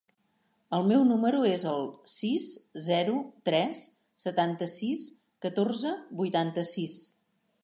El meu número es el sis, zero, tres, setanta-sis, catorze, vuitanta-sis.